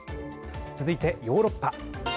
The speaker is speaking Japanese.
続いてヨーロッパ。